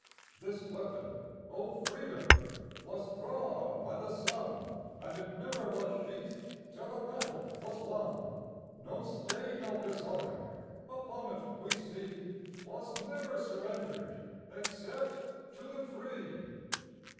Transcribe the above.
This weapon, O Freedom! Was drawn by the son, And it never was sheathed Till the battle was won! No stain of dishonor Upon it we see! 'Twas never surrendered Except to the free!